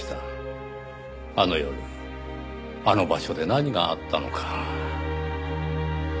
あの夜あの場所で何があったのか。